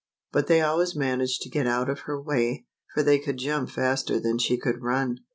But they always managed to get out of her way, for they could jump faster than she could run.